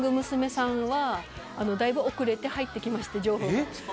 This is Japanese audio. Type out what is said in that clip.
さんはだいぶ遅れて入ってきまして情報がええ？